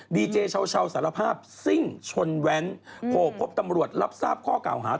ดีเจเช้าสารภาพซิ่งชนแว้นโผล่พบตำรวจรับทราบข้อเก่าหา